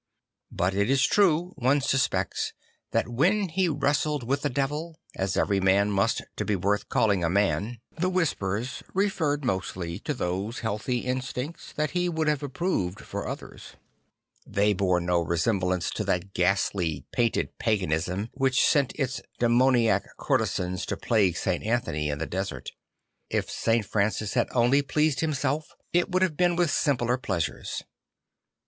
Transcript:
But it is true, one suspects, that \vhen he wrestled \vith the devil, as every man must to be worth calling a man, the whispers referred mostly to those healthy instincts that he wou1d have approved for others; they bore no resemblance to that ghastly painted paganism which sent its demoniac courtesans to plague St. Anthony in the desert. If St. Francis had only pleased himself, it would have been \vith 13 2 St. Francis of A ssisi simpler pleasures.